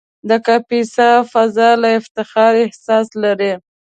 د کاپیسا فضا د افتخار احساس لري.